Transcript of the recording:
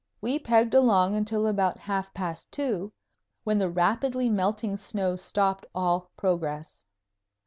We pegged along until about half past two, when the rapidly melting snow stopped all progress.